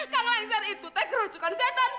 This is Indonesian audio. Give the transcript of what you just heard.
kang lengser itu teh kerusukan setan